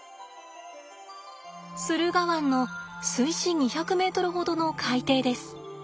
駿河湾の水深２００ｍほどの海底です。